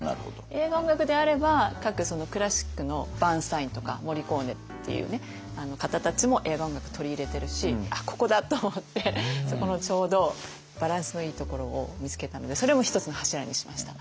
映画音楽であれば各クラシックのバーンスタインとかモリコーネっていう方たちも映画音楽取り入れてるしここだ！と思ってそこのちょうどバランスのいいところを見つけたのでそれも一つの柱にしました。